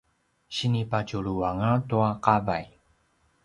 sinipadjuluanga tua qavay